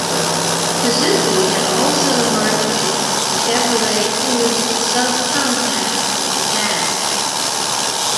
Suzuki had also marketed the Chevrolet Cruze subcompact in the past.